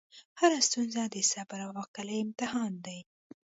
هره ستونزه د صبر او عقل امتحان دی.